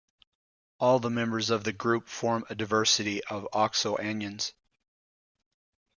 All the members of the group form a diversity of oxoanions.